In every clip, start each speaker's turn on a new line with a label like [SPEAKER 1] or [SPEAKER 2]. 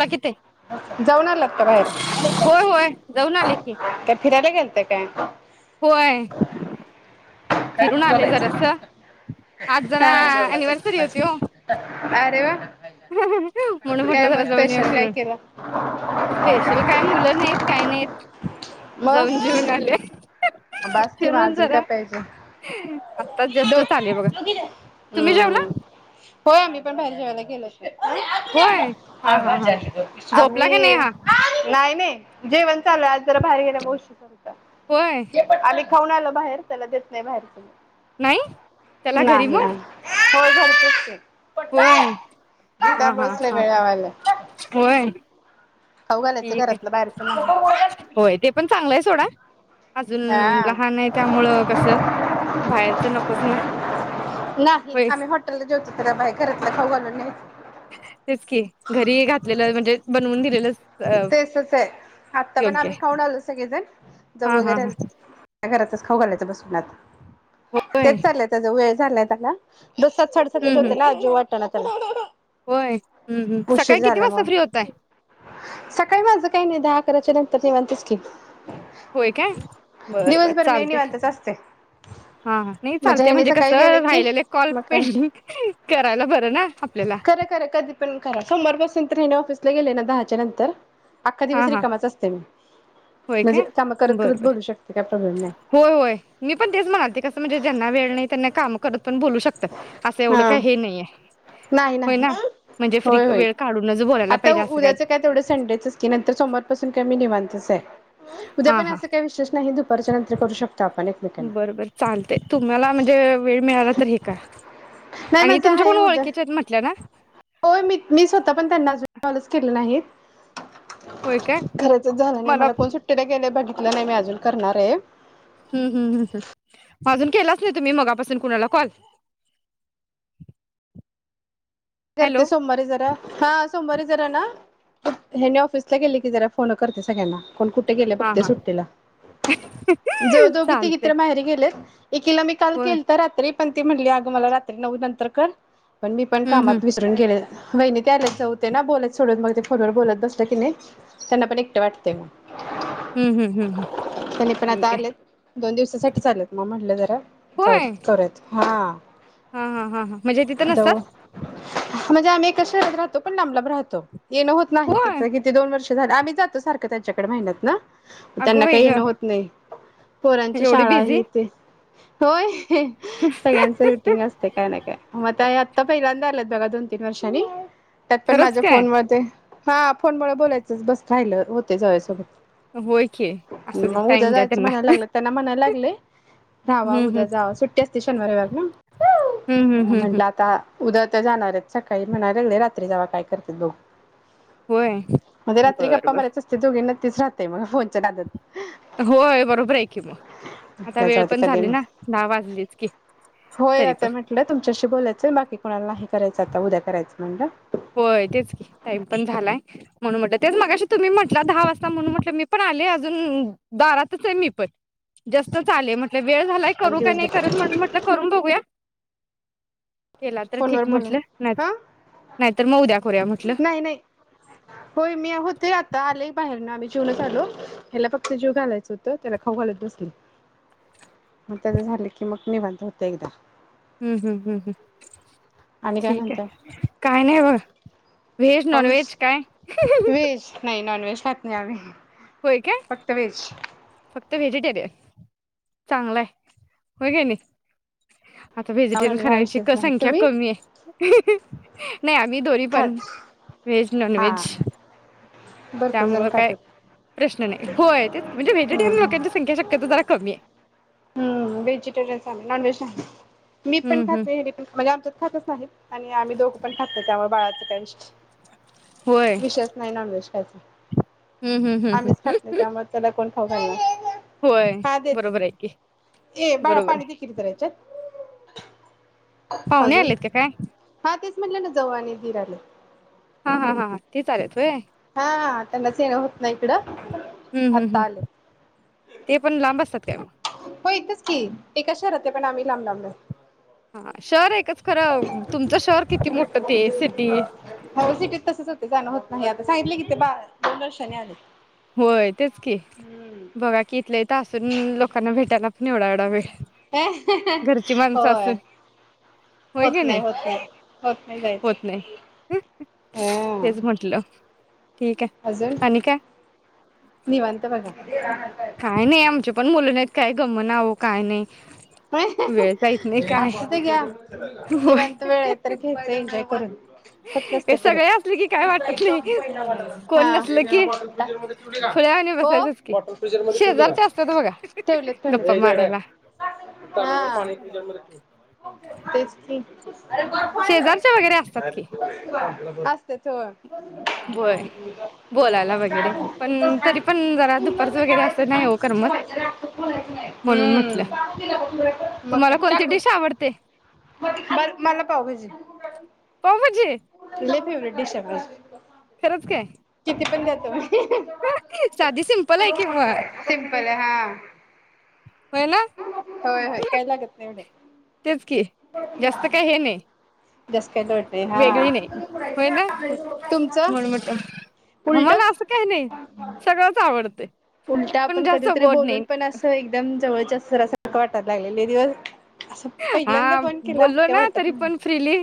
[SPEAKER 1] ला किती
[SPEAKER 2] जाऊन आलायत का बाहेर,
[SPEAKER 1] होय होय जाऊन आले की
[SPEAKER 2] काय फिरायला गेलता काय.
[SPEAKER 1] होय
[SPEAKER 2] काय
[SPEAKER 1] फिरून आले जरा
[SPEAKER 2] बोलायचं
[SPEAKER 1] स, आज जरा अनिव्हर्सरी होती ओ.
[SPEAKER 2] आरे वा.
[SPEAKER 1] म्हणून म्हटल
[SPEAKER 2] काय मग
[SPEAKER 1] जरा जाऊन या
[SPEAKER 2] स्पेशल काय
[SPEAKER 1] फिरून
[SPEAKER 2] केलं
[SPEAKER 1] स्पेशल काय मुल नाहीत काय नाहीत जाऊन
[SPEAKER 2] मग
[SPEAKER 1] जेवून आले.
[SPEAKER 2] बास कि मग
[SPEAKER 1] फिरून
[SPEAKER 2] आजून काय
[SPEAKER 1] जरा
[SPEAKER 2] पाहिजेम
[SPEAKER 1] आत्ता जस्टच आले बघा तुम्ही जेवला
[SPEAKER 2] होय आम्ही पण बाहेर जेवायला. गेलो
[SPEAKER 1] होय हा हा हा
[SPEAKER 2] होतो.
[SPEAKER 1] झोपला का नाही
[SPEAKER 2] आम्ही
[SPEAKER 1] हा
[SPEAKER 2] नाही नाही जेवण. चालू आहे आज जरा बाहेर गेल्यामुळे उशीर झालता.
[SPEAKER 1] होय.
[SPEAKER 2] खाऊन आलो बाहेर त्याला देत नाही बाहेरच.
[SPEAKER 1] नाही त्याला घरी
[SPEAKER 2] नाही
[SPEAKER 1] मग
[SPEAKER 2] नाही होय झालं. [unintelligible]
[SPEAKER 1] होय हा हा
[SPEAKER 2] लय
[SPEAKER 1] हा
[SPEAKER 2] वेळ लावायला
[SPEAKER 1] होय.
[SPEAKER 2] खाऊ घालायचं
[SPEAKER 1] ठीक
[SPEAKER 2] घरातलं
[SPEAKER 1] आहे,
[SPEAKER 2] बाहेरचं नाही
[SPEAKER 1] होय ते पण चांगलंय सोडा. अजून
[SPEAKER 2] हा,
[SPEAKER 1] लहान आहे त्यामुळं कसं बाहेरचं नकोच ना
[SPEAKER 2] नाही
[SPEAKER 1] होय
[SPEAKER 2] आम्ही हॉटेलला जेवतो तर बाई घरातलं खाऊ घालत नाही.
[SPEAKER 1] तेच कि घरी घातलेलं म्हणजे बनवून दिलेलच
[SPEAKER 2] तेच असे आता पण आम्ही
[SPEAKER 1] आहे
[SPEAKER 2] खाऊन आलो सगळेजण जाऊ
[SPEAKER 1] हा हा
[SPEAKER 2] वगैरे
[SPEAKER 1] हा
[SPEAKER 2] अ घरातच खाऊ घालायचं बसून आत.
[SPEAKER 1] होय
[SPEAKER 2] तेच चाललंय त्याच वेज झालाय त्याला. दो सात सडसात
[SPEAKER 1] हम्म हम्म
[SPEAKER 2] होते ना, [unintelligible] जोट त्याला [unintelligible] त
[SPEAKER 1] होय हम्म हम्म सकाळी किती वाजता फ्री होताय.
[SPEAKER 2] अस काही नाही दहा अकराच्या नंतर नीवांतच की
[SPEAKER 1] होय काय बर बर
[SPEAKER 2] दिवसभर मी
[SPEAKER 1] चालते
[SPEAKER 2] निवांतच असते
[SPEAKER 1] हा नाही
[SPEAKER 2] माझ्या
[SPEAKER 1] चालते
[SPEAKER 2] हेने
[SPEAKER 1] म्हणजे कस
[SPEAKER 2] सकाळी गेले की
[SPEAKER 1] राहिलेलं कॉल
[SPEAKER 2] मग
[SPEAKER 1] [unintelligible]
[SPEAKER 2] काय
[SPEAKER 1] पेंडिंग करायला बरं ना आपल्याला.
[SPEAKER 2] खरं खरं असले [unintelligible] गेले ना दहाच्या नंतर. अख्खा
[SPEAKER 1] हा
[SPEAKER 2] दिवस
[SPEAKER 1] हा
[SPEAKER 2] रिकामाच असतोय मी
[SPEAKER 1] होय
[SPEAKER 2] म्हणजे
[SPEAKER 1] काय
[SPEAKER 2] काम करत करत
[SPEAKER 1] बरबर
[SPEAKER 2] बोलू शकते काय प्रॉब्लेम नाही
[SPEAKER 1] होय होय मी पण तेच म्हणालते कस म्हणाजे ज्यांना वेळ नाही काम करत पण बोलू शकतात असं
[SPEAKER 2] हा
[SPEAKER 1] एवढं काय हे नाहीये
[SPEAKER 2] नाही
[SPEAKER 1] होय
[SPEAKER 2] नाही
[SPEAKER 1] ना म्हणजे फ्री
[SPEAKER 2] होय होय
[SPEAKER 1] वेळ काढूनच बोलायला
[SPEAKER 2] आता
[SPEAKER 1] पाहिजे असं
[SPEAKER 2] उद्याचं काय तेवढं संडेचच की नंतर सोमवार पासून काय मी निवान तसहे
[SPEAKER 1] हा हा
[SPEAKER 2] नंतर करू शकतो आपण एकमेकांना
[SPEAKER 1] बरबर चालते तुम्हाला म्हणजे वेळ मिळाला. तर हे करा.
[SPEAKER 2] नाही
[SPEAKER 1] आणि
[SPEAKER 2] माझं
[SPEAKER 1] तुमच्या
[SPEAKER 2] आहे
[SPEAKER 1] कोण
[SPEAKER 2] उद्या
[SPEAKER 1] ओळखीच्या आहेत म्हटल्या ना
[SPEAKER 2] होय मी मि स्वता पण त्यांना. कॉलच केले नाहीत.
[SPEAKER 1] होय काय
[SPEAKER 2] घराचच झालं नाही मला कोण सुट्टीला गेल [unintelligible] भट नाही नाही मी अजून करणार हे
[SPEAKER 1] हम्म हम्म हम्म हम्म अजून केलाच नाही तुम्ही मगापासून कुणाला कॉल
[SPEAKER 2] करते
[SPEAKER 1] हॅलो
[SPEAKER 2] सोमवारीे जरा हा. सोमवारी जरा ना हेने ऑफिसला गेले की जरा फोनं करते सगळ्यांना. कोण कुठे गेले
[SPEAKER 1] हां
[SPEAKER 2] बघते
[SPEAKER 1] हां
[SPEAKER 2] सुट्टीला ज जोघी तिघी
[SPEAKER 1] चालतंय
[SPEAKER 2] तर माहेरी गेलेत. एकिला मी काल
[SPEAKER 1] होय
[SPEAKER 2] केलता रात्री पण ती म्हणली अगं मला रात्री नऊ नंतर कर पण मी पण
[SPEAKER 1] हम्म हम्म
[SPEAKER 2] कामात [unintelligible] गेलेला वहिणी ते आल्या जाऊते ना बोलत सोडून मग ते फोनवर बोलत बसते की नाही त्यांना पण एकटे वाटते मग
[SPEAKER 1] हम्म हम्म हम्म
[SPEAKER 2] त्यांनी पण आता
[SPEAKER 1] ठीक आहे
[SPEAKER 2] आलेत दोन दिवसासाठीच आलेत मग म्हटलं जरा जाऊ
[SPEAKER 1] होय
[SPEAKER 2] करत हा
[SPEAKER 1] हां हां हां हां म्हणजे तिथं
[SPEAKER 2] जाऊ
[SPEAKER 1] नसतात
[SPEAKER 2] म्हणजे आम्ही एका शहरात राहतो पण लांबलाब राहतो. येणं होत नाही
[SPEAKER 1] होय
[SPEAKER 2] कित्ता किती दोन वर्ष झर आम्ही जातो सारख त्यांच्याकडे महिन्यात नं,
[SPEAKER 1] अगं
[SPEAKER 2] त्यांना
[SPEAKER 1] बाई
[SPEAKER 2] काही येणं
[SPEAKER 1] गं
[SPEAKER 2] होत नाही पोरांच्या
[SPEAKER 1] एवढी
[SPEAKER 2] शाळा
[SPEAKER 1] बिझी
[SPEAKER 2] आहीते. होय. सगळ्यांच रुटीन असते काय ना काय म मग त्यात आता पहील्यांदा बघा दोन तीन वर्षानी, त्यात पण
[SPEAKER 1] खरंच
[SPEAKER 2] माझ्या
[SPEAKER 1] काय
[SPEAKER 2] फोन मध्ये, हा फोनमुळं बोलायचंच बस राहिलं होते जवया
[SPEAKER 1] होय की
[SPEAKER 2] सोबत,
[SPEAKER 1] असू दे
[SPEAKER 2] मग उद्या
[SPEAKER 1] टाइम द्या
[SPEAKER 2] जायचं
[SPEAKER 1] त्यांना
[SPEAKER 2] म्हणाय लागलं, त्यांना म्हणाय लागले रावा
[SPEAKER 1] हम्म
[SPEAKER 2] उद्या
[SPEAKER 1] हम्म
[SPEAKER 2] जावा सुट्टी असते शनिवारी रवीवार ना,
[SPEAKER 1] हम्म हम्म हम्म
[SPEAKER 2] म्हटलं आता [unintelligible] जाणारच सकाळी म्हणाय लागले रात्री जावा काय करते बगू.
[SPEAKER 1] होय
[SPEAKER 2] म्हणजे रात्री
[SPEAKER 1] बरं
[SPEAKER 2] गप्पा
[SPEAKER 1] बरं
[SPEAKER 2] मारयच असते दोघींना. तेच राहतय मग फोन
[SPEAKER 1] होय बरोबर आहे, की मग आता
[SPEAKER 2] म्हटलं
[SPEAKER 1] वेळ
[SPEAKER 2] जाऊदे
[SPEAKER 1] पण
[SPEAKER 2] कधी
[SPEAKER 1] झाली
[SPEAKER 2] नाही.
[SPEAKER 1] ना दहा वाजलीच की
[SPEAKER 2] होय
[SPEAKER 1] तरी
[SPEAKER 2] आता
[SPEAKER 1] पण,
[SPEAKER 2] म्हटलं तुमच्याशी बोलायचं बाकी कोणाला नाही करायचं आता उद्या करायचं म्हणलं.
[SPEAKER 1] होय तेच की टाइम पण झालाय म्हणून म्हटलं तेच मगाशी तुम्ही म्हटलं दहा वाजता म्हणून म्हटलं मी पण आले अजून दारातच आहे मी पण जस्टच आले म्हटलं. वेळ झालाय
[SPEAKER 2] मला
[SPEAKER 1] करू का
[SPEAKER 2] दिवस
[SPEAKER 1] नाही करत
[SPEAKER 2] भेटेल
[SPEAKER 1] म्हण म्हटलं करून बघूया. केला तर
[SPEAKER 2] फोनवर
[SPEAKER 1] ठीक
[SPEAKER 2] बोलून
[SPEAKER 1] म्हटलं नाही, तर
[SPEAKER 2] हा नाही नाही, होय मी होते आता आले बाहेर ना, जेवूनच आलो ह्याला फक्त जेवू घालायचं होत त्याला खाऊ घालत बसले, मग आता झाले की मग निवांत होतय एक जा.
[SPEAKER 1] हम्म हम्म हम्म हम्म
[SPEAKER 2] आणि काय
[SPEAKER 1] ठीक
[SPEAKER 2] म्हणताय
[SPEAKER 1] आहे, काय नाही बगा व्हेज,
[SPEAKER 2] पाऊस
[SPEAKER 1] नॉनव्हेज हाय?
[SPEAKER 2] व्हेज नाही नॉन व्हेज खात नाही, आम्ही फक्त व्हेज.
[SPEAKER 1] तर व्हेजिटेरियन चांगला आहे होय, कनी. आता
[SPEAKER 2] नॉन
[SPEAKER 1] व्हेजिटेरियन
[SPEAKER 2] व्हेज हा
[SPEAKER 1] खाण्याची
[SPEAKER 2] विषयच
[SPEAKER 1] क
[SPEAKER 2] नाही
[SPEAKER 1] संख्या
[SPEAKER 2] तुम्ही
[SPEAKER 1] कमी आहे. नाही, आम्ही दोन्ही पण
[SPEAKER 2] खात
[SPEAKER 1] व्हेज,
[SPEAKER 2] हा
[SPEAKER 1] नॉनव्हेज.
[SPEAKER 2] भरपूर जण
[SPEAKER 1] त्यामुंळ काय
[SPEAKER 2] खातात.
[SPEAKER 1] प्रश्न नाही होय, तेच म्हणजे
[SPEAKER 2] हम्म
[SPEAKER 1] व्हेजिटेरियन
[SPEAKER 2] हम्म
[SPEAKER 1] लोकांची संख्या शक्यतो जरा कमी आहे.
[SPEAKER 2] हम्म, व्हेजिटेरियन चांगले नॉनव्हेज नाही. मी पण
[SPEAKER 1] हम्म हम्म
[SPEAKER 2] खाते हेनी पण म्हणजे आमच्याच खातच नाहीत आणि आम्ही दोघं पण खातो त्यामुळे बाळा [unintelligible]
[SPEAKER 1] होय
[SPEAKER 2] विषयच नाही नॉनव्हेज
[SPEAKER 1] हम्म हम्म
[SPEAKER 2] [unintelligible]
[SPEAKER 1] हम्म
[SPEAKER 2] आम्हीच
[SPEAKER 1] हम्म
[SPEAKER 2] खात नाही त्यामुळं त्याला कोण? खाऊ खाला.
[SPEAKER 1] होय बरोबर आहे की.
[SPEAKER 2] ए बाळा
[SPEAKER 1] बरोबर आहे
[SPEAKER 2] पाणी. [unintelligible]
[SPEAKER 1] पाहुणे
[SPEAKER 2] अजून
[SPEAKER 1] आलेत का काय
[SPEAKER 2] हा तेच म्हटलं ना जावु आणि दिर आले
[SPEAKER 1] हा हा हा ते चालेत होय.
[SPEAKER 2] हा त्यांनाच [unintelligible] येणं होत ना इकडं.
[SPEAKER 1] हम्म हम्म
[SPEAKER 2] आत्ता आले.
[SPEAKER 1] हम्म ते पण लांब असतात काय मग.
[SPEAKER 2] हो इथच की एकाच शहरात ये पण आम्ही लांब लांब राहु.
[SPEAKER 1] हा शहर एकच खरं तुमचं शहर किती मोठं ते सिटी
[SPEAKER 2] हो सिटीत तसंच होते जाणं होत नाही आता सांगितले कि ते बा दोन वर्षाने आले.
[SPEAKER 1] होय तेच की बघा की इथल्या इथं असून लोकांना भेट त्याला पण एढा एवढा वे
[SPEAKER 2] होय
[SPEAKER 1] होय
[SPEAKER 2] होत
[SPEAKER 1] की
[SPEAKER 2] नाही होत नाही होत नाही जायचं.
[SPEAKER 1] होत नाही ह तेच म्हटलं
[SPEAKER 2] [unintelligible]
[SPEAKER 1] ठीक
[SPEAKER 2] अजून
[SPEAKER 1] आहे आणि काय?
[SPEAKER 2] निवांत बघा.
[SPEAKER 1] काय नाही आमचे पण मुलं [unintelligible] काय ग म नाव काय नाही. वेळ जायत नाही काय
[SPEAKER 2] असुदे घ्या
[SPEAKER 1] होय
[SPEAKER 2] निवांत वेळ तर घ्याय एन्जॉय करून होत [unintelligible] नसते
[SPEAKER 1] हे
[SPEAKER 2] परत
[SPEAKER 1] सगळे असले की काय वाटत नाही कोण
[SPEAKER 2] हा
[SPEAKER 1] नसल की
[SPEAKER 2] हो. फ्रिजर मध्ये ठेवली
[SPEAKER 1] शेजार
[SPEAKER 2] का
[SPEAKER 1] चे अस्तेत बघा गप्पा मारायला.
[SPEAKER 2] ह तेच की.
[SPEAKER 1] शेजारच्या वगैरे असतात की
[SPEAKER 2] [unintelligible]
[SPEAKER 1] [unintelligible] बोलायला वगैरे
[SPEAKER 2] दाबून बस
[SPEAKER 1] पण
[SPEAKER 2] खाली
[SPEAKER 1] तरी पण जरा दुपारच
[SPEAKER 2] पूर्णच ते
[SPEAKER 1] वगैरे
[SPEAKER 2] काढायचं
[SPEAKER 1] असं नाही
[SPEAKER 2] खाली
[SPEAKER 1] हो
[SPEAKER 2] तसं
[SPEAKER 1] करमत
[SPEAKER 2] ठेवायचं
[SPEAKER 1] म्हणून म्हटलं.
[SPEAKER 2] मक
[SPEAKER 1] तुम्हाला
[SPEAKER 2] काय
[SPEAKER 1] कोणती डिश आवडते
[SPEAKER 2] बर मला पाव भजी
[SPEAKER 1] पावभाजी
[SPEAKER 2] लय फेवरेट. शबास [unintelligible]
[SPEAKER 1] खरच काय.
[SPEAKER 2] तुम्ही [unintelligible]
[SPEAKER 1] साधी सिम्पल आहे कि म.
[SPEAKER 2] पडताय सिम्पल आहे हा होय होय काय लागत नाही एवढ
[SPEAKER 1] तेच की जास्त काही हे नाही
[SPEAKER 2] जास्त काय वाटय हा
[SPEAKER 1] वेगळी नाही होय ना
[SPEAKER 2] तुमचं
[SPEAKER 1] म्हणून म्हटलं
[SPEAKER 2] उलट
[SPEAKER 1] आम्हाला असं काही नाही सगळंच आवडते
[SPEAKER 2] उलट
[SPEAKER 1] पण
[SPEAKER 2] आपण
[SPEAKER 1] जास्त
[SPEAKER 2] कधीतरी
[SPEAKER 1] गोड
[SPEAKER 2] बोलून
[SPEAKER 1] नाही
[SPEAKER 2] पण असं एकदम जवळच्या सरा सारखं वाटायं लागलंय लई दिवस असं पहिल्यांदा
[SPEAKER 1] हा
[SPEAKER 2] फोन केला असं
[SPEAKER 1] बोललो
[SPEAKER 2] काय
[SPEAKER 1] ना
[SPEAKER 2] वाटत
[SPEAKER 1] तरी
[SPEAKER 2] नाही.
[SPEAKER 1] पण फ्रीली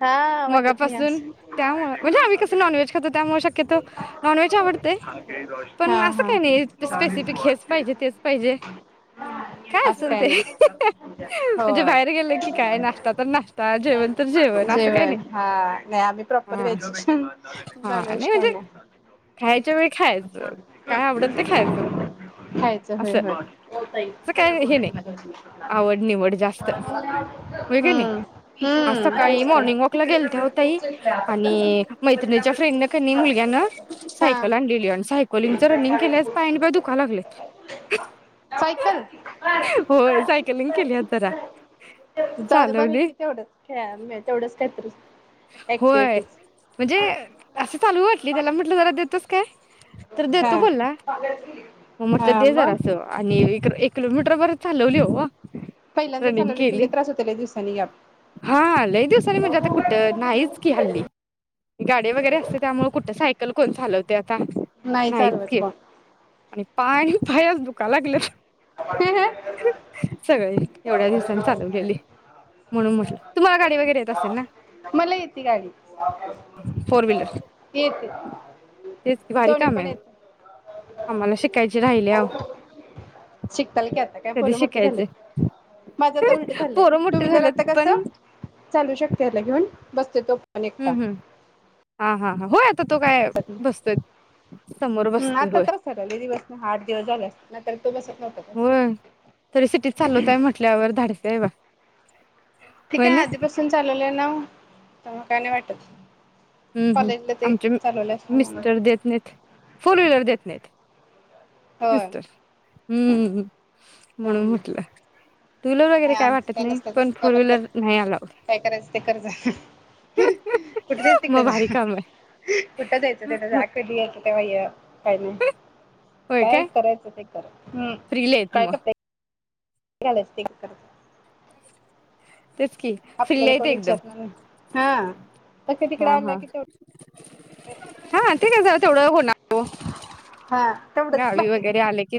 [SPEAKER 2] हा वाटत नाही
[SPEAKER 1] मगापासून
[SPEAKER 2] असं.
[SPEAKER 1] त्यामुळे म्हणजे आम्ही कसं नॉनव्हेज खातो त्यामुळे शक्यतो नॉनव्हेज
[SPEAKER 2] हा हा.
[SPEAKER 1] ऐ स्पेसिफिक हेच पाहिजे, तेच पाहिजे काय
[SPEAKER 2] असं
[SPEAKER 1] असेल
[SPEAKER 2] काही
[SPEAKER 1] ते.
[SPEAKER 2] नाही
[SPEAKER 1] म्हणजे
[SPEAKER 2] होय
[SPEAKER 1] बाहेर गेलं की काय नाश्ता तर नाश्ता, जेवण तर जेवण असं काय नाही.
[SPEAKER 2] हा नाही आम्ही प्रॉपर
[SPEAKER 1] हा
[SPEAKER 2] व्हेज नॉन
[SPEAKER 1] हा
[SPEAKER 2] व्हेज
[SPEAKER 1] नाही
[SPEAKER 2] काय
[SPEAKER 1] म्हणजे खायच्या वेळी खायचं काय आवडेल ते खायचं मग
[SPEAKER 2] खायचं होय
[SPEAKER 1] असं
[SPEAKER 2] होय.
[SPEAKER 1] असं काय हे नाही आवड निवड जास्त व्हयं कणी.
[SPEAKER 2] हम्म
[SPEAKER 1] आज
[SPEAKER 2] हम्म
[SPEAKER 1] सकाळी
[SPEAKER 2] तेच
[SPEAKER 1] मोर्निंगवाकला गेलत्या व्हं ताई
[SPEAKER 2] की
[SPEAKER 1] आणि मैत्रिणींच्या फ्रेंडन कणी मुलग्यान
[SPEAKER 2] हा
[SPEAKER 1] सायकल आणलेली आणि सायकलिनचं रनिंग केलंयज पाय आणि पाय दुखायं लागलंय. होय सायकलिंग केली आज जरा
[SPEAKER 2] जाऊदया बरं
[SPEAKER 1] चालवली
[SPEAKER 2] कि तेवढंच ख्यळाय मिळ तेवढंच काय तरी
[SPEAKER 1] होय म्हणजे असं चालंवू वाटली त्याला म्हटलं जरा देतोस काय? तर
[SPEAKER 2] हा
[SPEAKER 1] देतो बोलला. मग म्हटलं
[SPEAKER 2] हा
[SPEAKER 1] दे
[SPEAKER 2] मग
[SPEAKER 1] जरास आणि इकर ए किलोमीटरबर चालवली ओ
[SPEAKER 2] पहिल्यांदा
[SPEAKER 1] रणीगं
[SPEAKER 2] चालवलं
[SPEAKER 1] केली.
[SPEAKER 2] किल्ले त्रास होते लय दिवसांनी गॅप
[SPEAKER 1] हा लई दिवसांनी म्हणजे आता कु नाहीच कि हल्ली. ती गाडी वगैरे असतंय त्यामुळे कुठं सायकल कोण चालवत्यात ता
[SPEAKER 2] नाही
[SPEAKER 1] नाहीच
[SPEAKER 2] चालवत
[SPEAKER 1] कि
[SPEAKER 2] कोण
[SPEAKER 1] आणि पाय पाय आज दुखायला लागल्यात. ह‌् सगळे. एवढ्या दिवसांनी चालवलेली म्हणून म्हटलं तुम्हाला गाडी वगैरे येत असेल ना?
[SPEAKER 2] मला येती गाडी.
[SPEAKER 1] फोर व्हीलर
[SPEAKER 2] येते
[SPEAKER 1] तेच की भारी
[SPEAKER 2] दोन्ही
[SPEAKER 1] काम
[SPEAKER 2] पण
[SPEAKER 1] आहे
[SPEAKER 2] येत्यात.
[SPEAKER 1] आम्हाला शिकायचे राहिले अहो
[SPEAKER 2] शिकताल की आता काय
[SPEAKER 1] कधी
[SPEAKER 2] पोरं मोठी झाल्यात.
[SPEAKER 1] शिकायचे
[SPEAKER 2] माझं आता उलट चाल्लंय.
[SPEAKER 1] पोरं
[SPEAKER 2] टू
[SPEAKER 1] मोठे
[SPEAKER 2] व्हीलर
[SPEAKER 1] झालेत
[SPEAKER 2] आता
[SPEAKER 1] पण
[SPEAKER 2] कसं चालू शकते याला घेऊन बसते तो पण एकटा
[SPEAKER 1] हम्म हम्म! हा हा. होय? आता तो काय
[SPEAKER 2] हम्म
[SPEAKER 1] बसतोय समोर बसतोय
[SPEAKER 2] आता
[SPEAKER 1] होय.
[SPEAKER 2] त्रास झाला लय दिवस ना आठ दिवस झाले असतील नाहीतर तो बसत नव्हता
[SPEAKER 1] होय? तरी सिटीत चालवताय म्हटल्यावर धाडसी हाय बा. [unintelligible]
[SPEAKER 2] ते
[SPEAKER 1] होय
[SPEAKER 2] काय
[SPEAKER 1] ना
[SPEAKER 2] आधीपासून चालवलेलाव. तवा काय नाही वाटत.
[SPEAKER 1] अम्म हम्
[SPEAKER 2] कॉलेजला ते
[SPEAKER 1] आमचे
[SPEAKER 2] चालवलं असल्यामुळे
[SPEAKER 1] मिस्टर देत नाहीत. फोर व्हीलर देत [inaudible]
[SPEAKER 2] होय
[SPEAKER 1] मिस्टर, हम्म! म्हणून
[SPEAKER 2] हम्म
[SPEAKER 1] म्हटलं. टू व्हीलर वगैरे
[SPEAKER 2] नाही आमच
[SPEAKER 1] वाटत
[SPEAKER 2] काय
[SPEAKER 1] नाही
[SPEAKER 2] नसत तस काय
[SPEAKER 1] फोर
[SPEAKER 2] पण कर
[SPEAKER 1] व्हीलर नाही अलाउड
[SPEAKER 2] काय करायचं ते कर जा कुठं [unintelligible] कुठ
[SPEAKER 1] मग भारी
[SPEAKER 2] जा
[SPEAKER 1] काम आहे
[SPEAKER 2] कुठ जायचं तेवढं जा कधी यायचं तवा यं. काय नाही काय करायचं ते कर हम्
[SPEAKER 1] फ्रीला आहेत
[SPEAKER 2] काय
[SPEAKER 1] मग
[SPEAKER 2] कर - - कालाच ते कर - -
[SPEAKER 1] तेच की फ्रीला
[SPEAKER 2] आपल्याला
[SPEAKER 1] आहेत
[SPEAKER 2] कोण
[SPEAKER 1] एकदम
[SPEAKER 2] विचारणार नाही हा तिकडे
[SPEAKER 1] हा
[SPEAKER 2] आला
[SPEAKER 1] हा
[SPEAKER 2] कि तेव - -
[SPEAKER 1] हा ते काय तेवढं होणार किओ
[SPEAKER 2] तेवढंच
[SPEAKER 1] गावी
[SPEAKER 2] बाकी
[SPEAKER 1] वगैरे आले की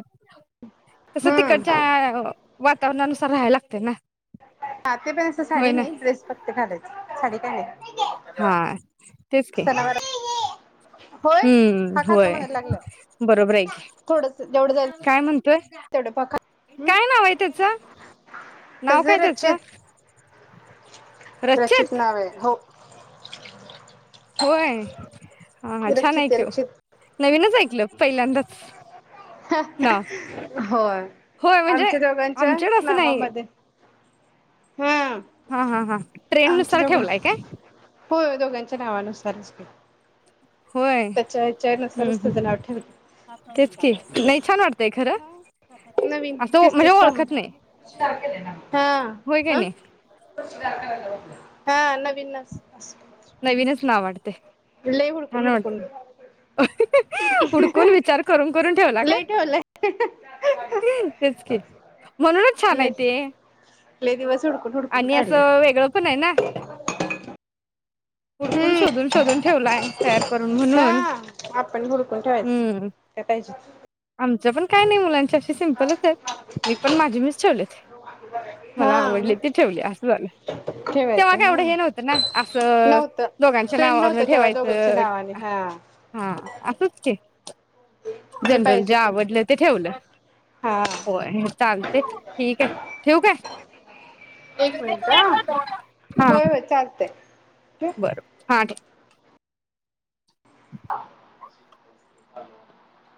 [SPEAKER 1] तस तिकडच्या
[SPEAKER 2] हम्म
[SPEAKER 1] अ - - वातावरणानुसार राहाय लागते ना.
[SPEAKER 2] [unintelligible] पण असं
[SPEAKER 1] होय
[SPEAKER 2] साडी
[SPEAKER 1] ना
[SPEAKER 2] नाही ड्रेस फक्तं घालायचं. साडी काय नाही.
[SPEAKER 1] हा. तेच की
[SPEAKER 2] सणावार होय
[SPEAKER 1] हम्म
[SPEAKER 2] हा खातो
[SPEAKER 1] होय
[SPEAKER 2] म्हणायला लागलाय.
[SPEAKER 1] बरोबर हाय की
[SPEAKER 2] थोडस जेवढं जाईल
[SPEAKER 1] काय म्ह- - तोय.
[SPEAKER 2] तेवढं पा खा
[SPEAKER 1] काय नाव हाय त्याचं? नाव
[SPEAKER 2] तस
[SPEAKER 1] काय त्याचं?
[SPEAKER 2] रचित नाव हाय हो.
[SPEAKER 1] होय. हा हा छान
[SPEAKER 2] रक्षित
[SPEAKER 1] हाय
[SPEAKER 2] आहे
[SPEAKER 1] की ओ.
[SPEAKER 2] रक्षित
[SPEAKER 1] नवीनच ऐकलं पहिल्यांदाच. नाव
[SPEAKER 2] होय.
[SPEAKER 1] होय म्हणजे
[SPEAKER 2] आमच्या दोघांच्या
[SPEAKER 1] आमच्याकडे असं नाही
[SPEAKER 2] नावामध्ये - -
[SPEAKER 1] हा हा हा ट्रेंड नुसार ठेवलाय काय?
[SPEAKER 2] हो दोघांच्या नावानुसारच कि.
[SPEAKER 1] होय हम्
[SPEAKER 2] तुझं नाव ठेवलं
[SPEAKER 1] हम् तेच कि नाही छान वाटतय खरं.
[SPEAKER 2] नवीन
[SPEAKER 1] असं
[SPEAKER 2] तेस
[SPEAKER 1] म्हणजे
[SPEAKER 2] तेस
[SPEAKER 1] ओळखत नाही
[SPEAKER 2] तॉमस हा
[SPEAKER 1] होय काय
[SPEAKER 2] हं. हा
[SPEAKER 1] नाही
[SPEAKER 2] अ् नवीननास.
[SPEAKER 1] नवीनच नावाड. तय.
[SPEAKER 2] लय हुडकून
[SPEAKER 1] छान वाट
[SPEAKER 2] हुडकून
[SPEAKER 1] हुडकून विचार करून करून ठेवला काय?
[SPEAKER 2] लय ठेवलंय
[SPEAKER 1] तेच की म्हणूनच छान आहे
[SPEAKER 2] लय
[SPEAKER 1] ते
[SPEAKER 2] लय दिवस हुडकून हुडकून
[SPEAKER 1] आणि
[SPEAKER 2] काढले
[SPEAKER 1] असं वेगळं पण आहे ना. हुडकून
[SPEAKER 2] हम्म
[SPEAKER 1] शोधून शोधून ठेवलाय. तयार करून
[SPEAKER 2] हा
[SPEAKER 1] म्हणून
[SPEAKER 2] आपण हुडकून ठेवायच ते का
[SPEAKER 1] आमच्या पण काय नाही मुलां च्याशी सिंपलच मी पण माझी मीच ठेवले मला
[SPEAKER 2] हा मग
[SPEAKER 1] आवडली ती ठेवली असं झाल तेव्हा
[SPEAKER 2] ठेवायचं
[SPEAKER 1] का
[SPEAKER 2] हा
[SPEAKER 1] एवढं हे नव्हतं ना
[SPEAKER 2] नव्हतं
[SPEAKER 1] दोघांच्या
[SPEAKER 2] ट्रेंड
[SPEAKER 1] नावावर
[SPEAKER 2] नव्हतं तेव्हा दोघांच्या
[SPEAKER 1] ठेवायचं
[SPEAKER 2] नावाने हा
[SPEAKER 1] हा असंच च की जनरल जे आवडलं ते ठेवलं
[SPEAKER 2] हा
[SPEAKER 1] होय चाल तेच ठीक आहे ठेउ काय
[SPEAKER 2] एक मिनिट आ होय, होय चालतय
[SPEAKER 1] बर, बर हा ठीक
[SPEAKER 2] हल